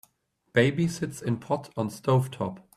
Baby sits in pot on stove top.